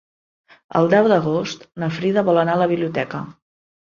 El deu d'agost na Frida vol anar a la biblioteca.